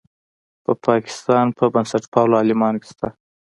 په پاکستان په بنسټپالو عالمانو کې شته.